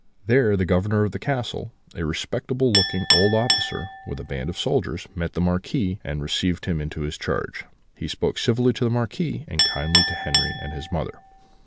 There the Governor of the castle, a respectable looking old officer, with a band of soldiers, met the Marquis, and received him into his charge. He spoke civilly to the Marquis, and kindly to Henri and his mother.